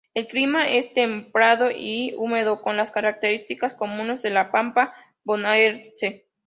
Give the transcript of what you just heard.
El clima es templado y húmedo, con las características comunes de la pampa bonaerense.